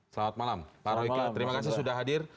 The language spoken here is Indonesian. selamat malam pak royke terima kasih sudah hadir